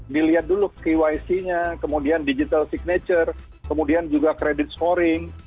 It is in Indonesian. dilihat dulu kyc nya kemudian digital signature kemudian juga credit scoring